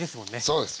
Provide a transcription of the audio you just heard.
そうです